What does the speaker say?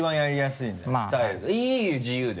いいよ自由で。